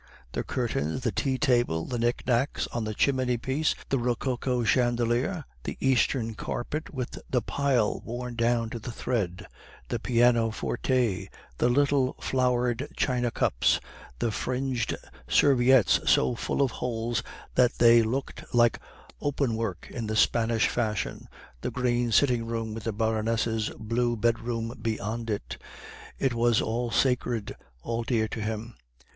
The curtains, the tea table, the knick knacks on the chimney piece, the rococo chandelier, the Eastern carpet with the pile worn down to the thread, the pianoforte, the little flowered china cups, the fringed serviettes so full of holes that they looked like open work in the Spanish fashion, the green sitting room with the Baroness' blue bedroom beyond it, it was all sacred, all dear to him.